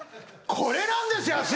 これなんですよ